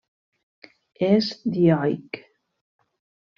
És dioic.